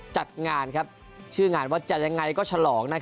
จัดงานชื่องานว่าจะยังไงก็ฉลอง